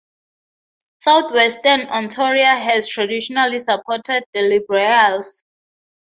Southwestern Ontario has traditionally supported the Liberals.